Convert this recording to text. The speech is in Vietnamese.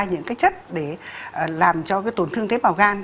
những cái chất để làm cho cái tổn thương tế bào gan